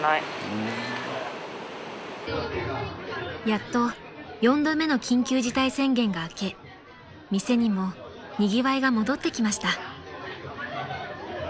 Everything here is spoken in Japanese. ［やっと４度目の緊急事態宣言が明け店にもにぎわいが戻ってきました］